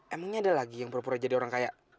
emangnya ada lagi yang pura pura jadi orang kaya